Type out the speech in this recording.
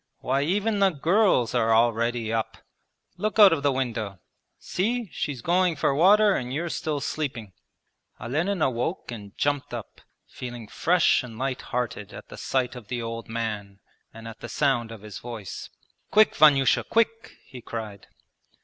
Why even the girls are already up! Look out of the window. See, she's going for water and you're still sleeping!' Olenin awoke and jumped up, feeling fresh and lighthearted at the sight of the old man and at the sound of his voice. 'Quick, Vanyusha, quick!' he cried.